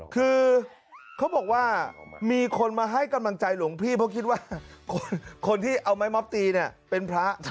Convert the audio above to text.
คือเขาบอกว่ามีคนมาให้กำลังใจหลวงพี่เพราะคิดว่าคนที่เอาไม้ม็อบตีเนี่ยเป็นพระ